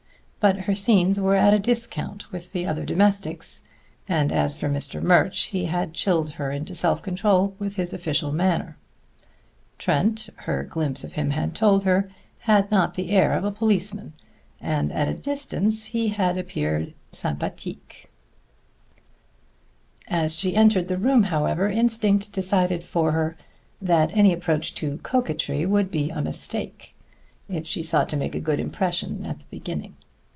But her scenes were at a discount with the other domestics, and as for Mr. Murch, he had chilled her into self control with his official manner. Trent, her glimpse of him had told her, had not the air of a policeman, and at a distance he had appeared sympathetique. As she entered the room, however, instinct decided for her that any approach to coquetry would be a mistake, if she sought to make a good impression at the beginning.